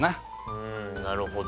うんなるほど。